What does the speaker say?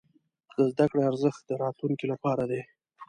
د زده کړې ارزښت د راتلونکي لپاره دی.